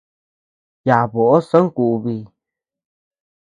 Yaʼa boʼo sonkubi.